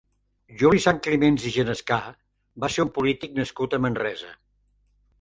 Juli Sanclimens i Genescà va ser un polític nascut a Manresa.